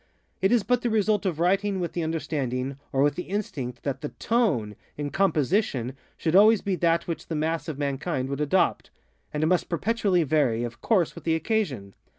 It is but the result of writing with the understanding, or with the instinct, that _the tone, _in composition, should always be that which the mass of mankind would adoptŌĆöand must perpetually vary, of course, with the occasion.